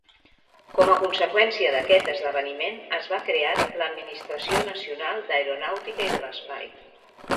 Com a conseqüència d'aquest esdeveniment, es va creat l'Administració Nacional d'Aeronàutica i de l'Espai.